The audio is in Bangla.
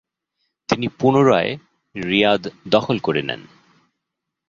তিনি পুনরায় রিয়াদ দখল করে নেন।